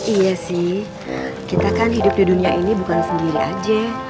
iya sih kita kan hidup di dunia ini bukan sendiri aja